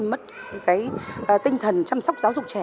mất tinh thần chăm sóc giáo dục trẻ